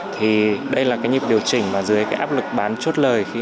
thì đây là cái nhịp điều chỉnh mà dưới cái áp lực bán chốt lời